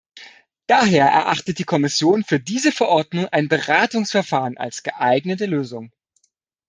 Daher erachtet die Kommission für diese Verordnung ein Beratungsverfahren als geeignete Lösung.